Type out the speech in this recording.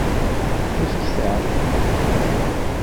Efk atay.